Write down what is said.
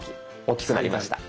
大きくなりました。